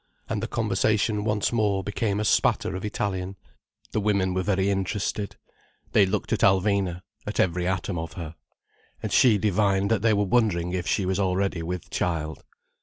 And the conversation once more became a spatter of Italian. The women were very interested. They looked at Alvina, at every atom of her. And she divined that they were wondering if she was already with child.